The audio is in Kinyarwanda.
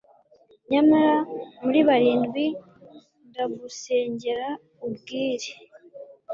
nyamara muri barindwi! ndagusengera ubwire